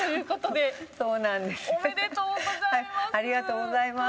ありがとうございます。